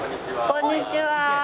こんにちは。